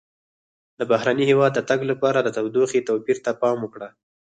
د بهرني هېواد د تګ لپاره د تودوخې توپیر ته پام وکړه.